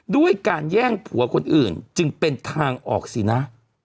ด้วยการแย่งผัวคนอื่นจึงเป็นทางออกสินะ